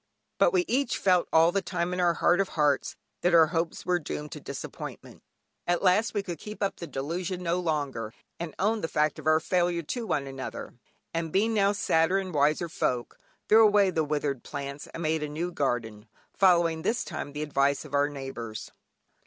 But we each felt all the time in our heart of hearts, that our hopes were doomed to disappointment. At last we could keep up the delusion no longer, and owned the fact of our failure to one another; and being now sadder and wiser folk, threw away the withered plants, and made a new garden, following this time the advice of our neighbours.